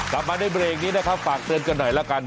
กลับมาในเบรกนี้นะครับฝากเตือนกันหน่อยละกัน